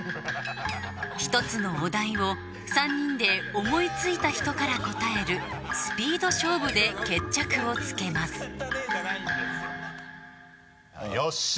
１つのお題を３人で思いついた人から答えるスピード勝負で決着をつけますよっしゃ！